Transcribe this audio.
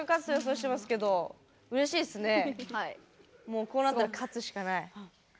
もうこうなったら勝つしかない。